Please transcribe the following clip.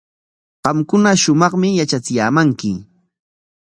Qamkuna shumaqmi yatrachiyaamanki.